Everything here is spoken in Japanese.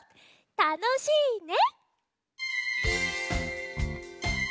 「たのしいね」。